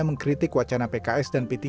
mengkritik wacana pks dan p tiga